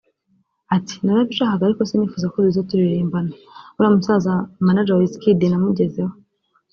Ati “Narabishakaga ariko sinifuzaga ko duhita turirimbana […] Uriya musaza manager wa Wizkid namugezeho